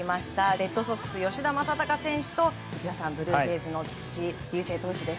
レッドソックス吉田正尚選手と内田さん、ブルージェイズの菊池雄星投手です。